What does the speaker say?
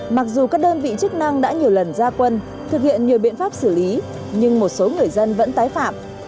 mặc dù các đơn vị chức năng đã nhiều lần ra quân thực hiện nhiều biện pháp xử lý nhưng một số người dân vẫn tái phạm